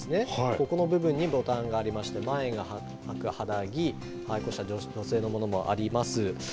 ここの部分にボタンがありまして、前が開く肌着、女性のものもあります。